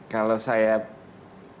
kalau saya pribadi